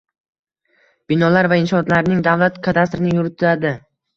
binolar va inshootlarning davlat kadastrini yuritadi.